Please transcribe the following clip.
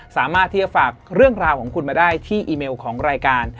สามารถที่จะฝากเรื่องราวของคุณมาได้ที่อีเมลของรายการ